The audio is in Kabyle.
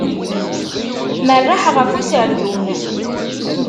Merreḥ ɣef userdun.